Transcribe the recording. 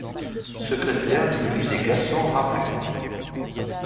Secrétaire du musée Gaston Rapin.